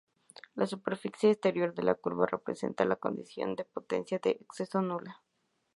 La superficie exterior de la curva representa la condición de potencia de exceso nula".